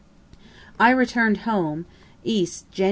I return'd home, east, Jan.